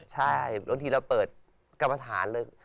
ใช่บางทีเราเปิดกรรมฐานเลย